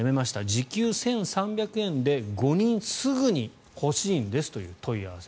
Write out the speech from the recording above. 時給１３００円で５人すぐに欲しいんですという問い合わせ。